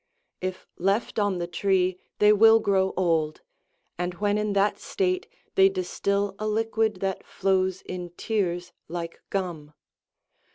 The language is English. If left on the tree they will grow old ; and when in that state, they distil a liquid that flows in tears w like gum.